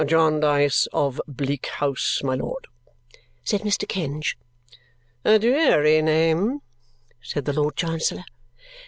"Jarndyce of Bleak House, my lord," said Mr. Kenge. "A dreary name," said the Lord Chancellor.